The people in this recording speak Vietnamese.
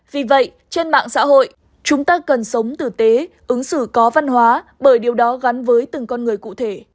vì vậy trên mạng xã hội chúng ta cần sống tử tế ứng xử có văn hóa bởi điều đó gắn với từng con người cụ thể